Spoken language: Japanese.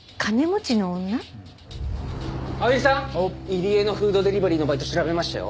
入江のフードデリバリーのバイト調べましたよ。